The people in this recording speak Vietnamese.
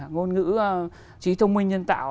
ngôn ngữ trí thông minh nhân tạo